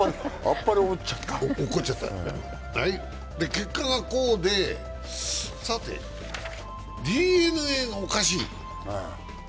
結果がこうで、さて、ＤｅＮＡがおかしい。